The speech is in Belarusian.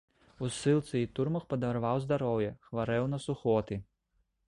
У ссылцы і турмах падарваў здароўе, хварэў на сухоты.